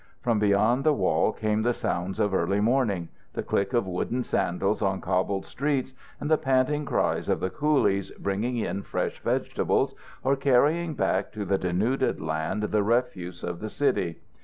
From beyond the wall came the sounds of early morning the click of wooden sandals on cobbled streets and the panting cries of the coolies bringing in fresh vegetables or carrying back to the denuded land the refuse of the city.